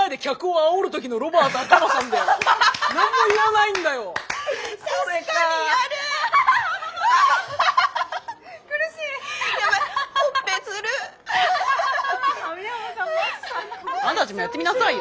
あんたたちもやってみなさいよ。